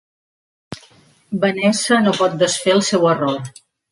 Vanessa no pot desfer el seu error.